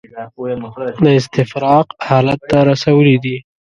د استفراق حالت ته رسولي دي.